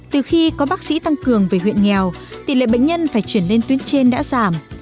từ khi có bác sĩ tăng cường về huyện nghèo tỷ lệ bệnh nhân phải chuyển lên tuyến trên đã giảm